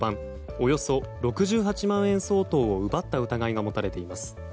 およそ６８万円相当を奪った疑いが持たれています。